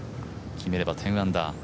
決めれば１０アンダー。